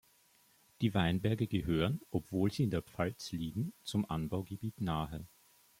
Die Weinberge gehören, obwohl sie in der Pfalz liegen, zum Anbaugebiet Nahe.